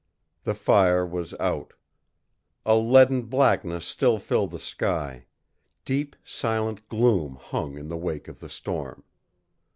The fire was out. A leaden blackness still filled the sky; deep, silent gloom hung in the wake of the storm.